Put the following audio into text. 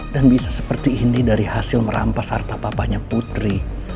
dan bisa seperti ini dari hasil merampas harta papanya putri